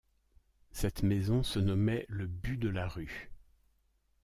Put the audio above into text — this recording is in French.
Cette maison se nommait le Bû de la rue.